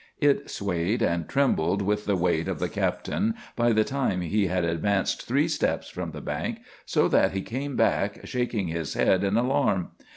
It swayed and trembled with the weight of the captain by the time he had advanced three steps from the bank, so that he came back shaking his head in alarm.